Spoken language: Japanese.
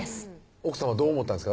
奥さまどう思ったんですか？